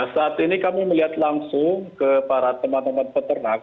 saat ini kami melihat langsung ke para teman teman peternak